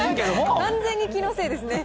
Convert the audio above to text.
完全に気のせいですね。